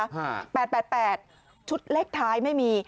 ฮ่า๘๘๘ชุดเลขท้ายไม่มี